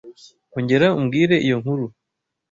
Ongera umbwire iyo nkuru.